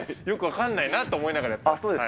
よく分かんないなと思いながらやってます。